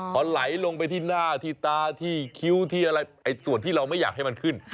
พอไหลลงไปที่หน้าที่ตาที่คิ้วที่อะไรส่วนที่เราไม่อยากให้มันขึ้น